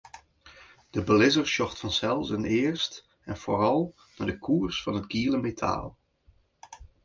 De belizzer sjocht fansels earst en foaral nei de koers fan it giele metaal.